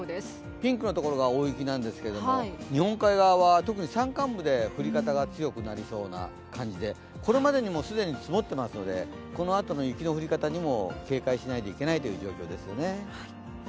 ピンクが大雪なんですが日本海側は特に山間部で降り方が強くなりそうで、これまでにも既に積もっていますのでこのあとの雪の降り方にも警戒しないといけない状況ですよね。